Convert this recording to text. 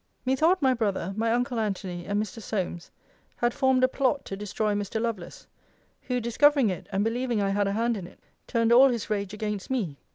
'Methought my brother, my uncle Antony, and Mr. Solmes, had formed a plot to destroy Mr. Lovelace; who discovering it, and believing I had a hand in it, turned all his rage against me.